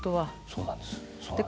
そうなんです。